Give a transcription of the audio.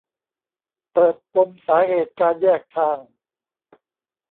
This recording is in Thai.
เปิดปมสาเหตุการแยกทาง